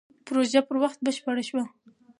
پروژه پر وخت بشپړه شوه.